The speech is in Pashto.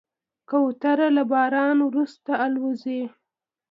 کوتره له باران وروسته الوزي.